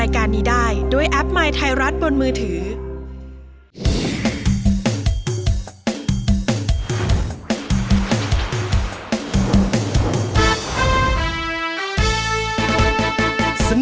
คุณล่ะหล่อหรือยัง